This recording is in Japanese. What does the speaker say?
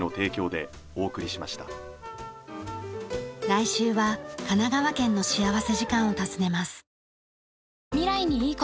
来週は神奈川県の幸福時間を訪ねます。